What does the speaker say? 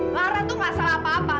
lara itu gak salah apa apa